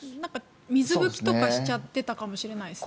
水拭きとかしちゃってたかもしれないです。